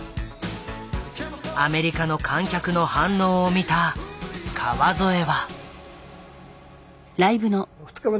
アメリカの観客の反応を見た川添は。